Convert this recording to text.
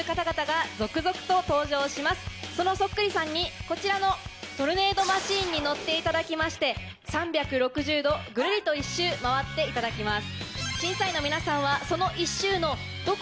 そのそっくりさんにこちらのトルネードマシンに乗っていただきまして３６０度ぐるりと１周回っていただきます。